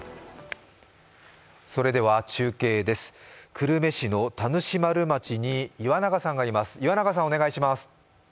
それでは中継です、久留米市の田主丸町に岩永さんがいます。